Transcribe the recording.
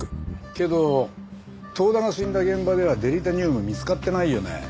けど遠田が死んだ現場ではデリタニウム見つかってないよね？